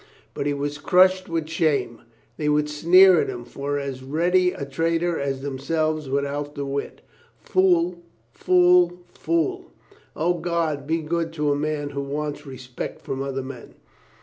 But he was crushed with shame. They would sneer at him for as ready a traitor as themselves without the wit. Fool, fool, fool! O, God be good to a man who wants respect from other men